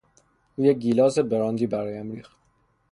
او یک گیلاس براندی برایم ریخت.